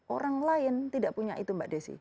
orang lain tidak punya itu mbak desi